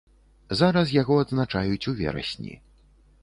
Зараз яго адзначаюць у верасні.